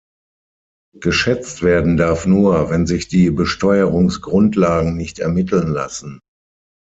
Geschätzt werden darf nur, wenn sich die Besteuerungsgrundlagen nicht ermitteln lassen.